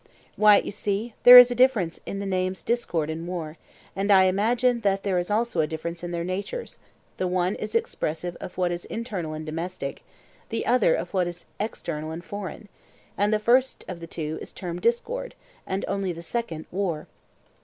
Why, you see, there is a difference in the names 'discord' and 'war,' and I imagine that there is also a difference in their natures; the one is expressive of what is internal and domestic, the other of what is external and foreign; and the first of the two is termed discord, and only the second, war.